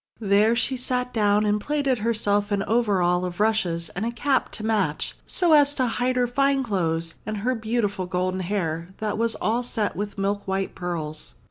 There she sate down and plaited herself an overall of rushes and a cap to match, so as to hide her fine clothes, and her beautiful golden hair that was all set with milk white pearls.